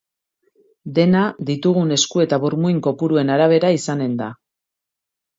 Dena ditugun esku eta burmuin kopuruen arabera izanen da.